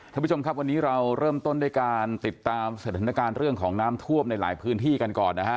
ท่านผู้ชมครับวันนี้เราเริ่มต้นด้วยการติดตามสถานการณ์เรื่องของน้ำท่วมในหลายพื้นที่กันก่อนนะฮะ